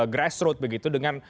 grassroot begitu dengan